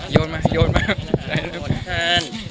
ถี่นื่นเดือนวันค่ะ